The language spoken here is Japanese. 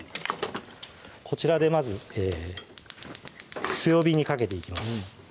こちらでまず強火にかけていきます